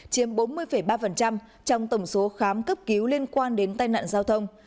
chiếm bốn mươi ba trong tổng số khám cấp cứu liên quan đến tai nạn giao thông